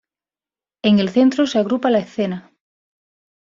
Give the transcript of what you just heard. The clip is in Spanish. En el centro se agrupa la escena.